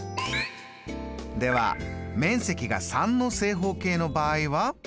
では面積が３の正方形の場合は？